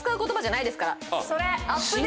それ！